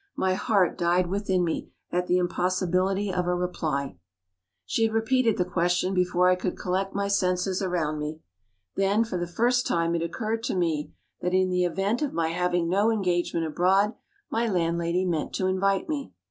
My heart died within me at the impossibility of a reply. She had repeated the question before I could collect my senses around me. Then, for the first time it occurred to me that, in the event of my having no engagement abroad, my landlady meant to invite me!